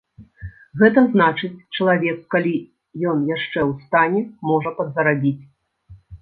Гэта значыць, чалавек, калі ён яшчэ ў стане, можа падзарабіць.